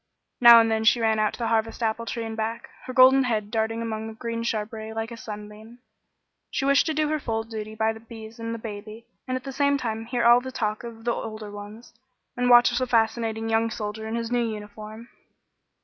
Now and then she ran out to the Harvest apple tree and back, her golden head darting among the green shrubbery like a sunbeam. She wished to do her full duty by the bees and the baby, and at the same time hear all the talk of the older ones, and watch the fascinating young soldier in his new uniform.